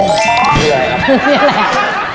นี่แหละ